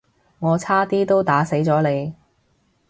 我差啲都打死咗你